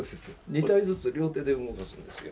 ２体ずつ両手で動かすんですよ。